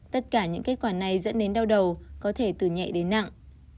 tất cả những kết quả này dẫn đến đau đầu có thể từ nhẹ đến nặng